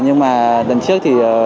nhưng mà lần trước thì